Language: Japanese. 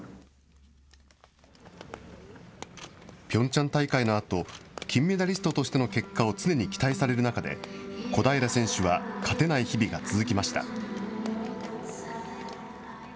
ピョンチャン大会のあと、金メダリストとしての結果を常に期待される中で、小平選手は勝てない日々が続きました。